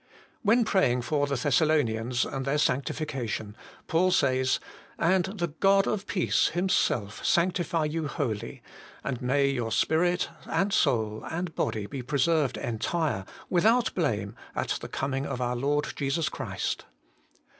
When praying for the Thessalonians and their sanctification, Paul says, 'And the God of peace Himself sanctify you wholly ; and may your spirit and soul and body be preserved entire, without blame, 202 HOLY IN CHRIST. at the coining of our Lord Jesus Christ.'